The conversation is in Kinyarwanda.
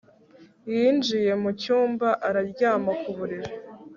Yinjiye mu cyumba aryama ku buriri